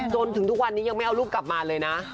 จนถึงทุกวันนี้ยังไม่เอารูปกลับมาเลยนะ